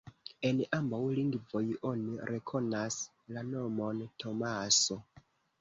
En ambaŭ lingvoj oni rekonas la nomon Tomaso.